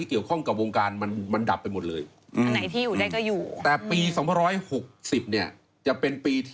หลังจากสี่สิงหาดวงชะตาเปิด